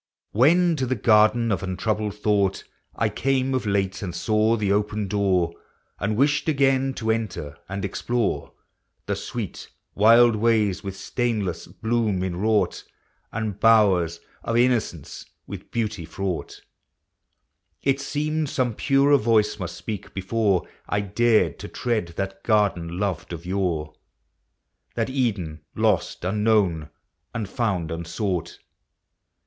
When to the garden of untroubled thought I came of late, and saw the open door, And wished again to enter, and explore The sweet, wild ways with stainless bloom in wrought, Digitized by Google fcG POEMti op home. And bowers of innocence with beauty fraught, It seemed some purer voice must speak before I dared to tread that garden loved of yore, That Eden lost unknowu and found unsought.